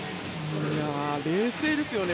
冷静ですよね。